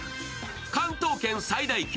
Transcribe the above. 関東圏最大級！